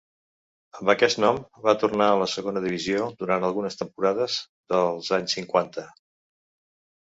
Amb aquest nom va tornar a la Segona Divisió durant algunes temporades dels anys cinquanta.